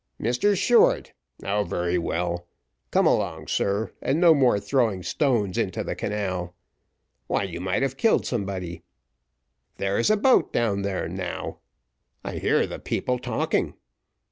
"Mr Short! O, very well. Come along, sir, and no more throwing stones into the canal; why you might have killed somebody there is a boat down there now, I hear the people talking."